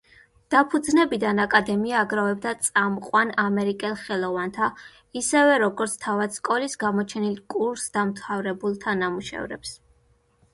დაფუძნებიდან აკადემია აგროვებდა წამყვან ამერიკელ ხელოვანთა, ისევე როგორც თავად სკოლის გამოჩენილ კურსდამთავრებულთა ნამუშევრებს.